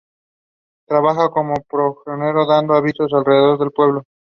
Trabaja como pregonero dando avisos alrededor del pueblo.